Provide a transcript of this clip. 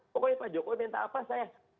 pokoknya pak jokowi minta apa saya